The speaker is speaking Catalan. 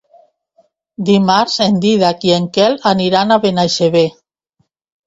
Dimarts en Dídac i en Quel aniran a Benaixeve.